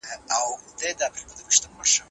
چي له مېړونو